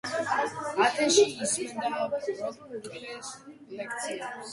ათენში ისმენდა პროკლეს ლექციებს.